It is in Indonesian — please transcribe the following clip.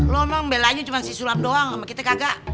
lo memang belainya cuma si sulam doang sama kita kagak